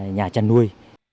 nhà trần nuôi